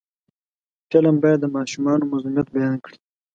فلم باید د ماشومانو مظلومیت بیان کړي